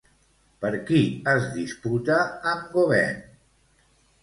Per qui es disputa amb Gauvain?